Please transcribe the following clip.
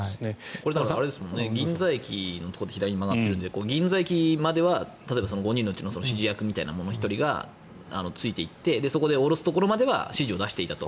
これ、銀座駅のところで左に曲がっているので銀座駅までは例えば５人のうちの指示役みたいな人がついていってそこで降ろすところまでは指示を出していたと。